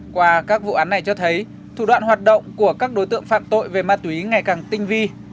qua các vụ án này cho thấy thủ đoạn hoạt động của các đối tượng phạm tội về ma túy ngày càng tinh vi